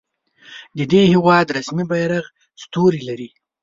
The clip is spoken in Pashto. د دې هیواد رسمي بیرغ ستوری لري.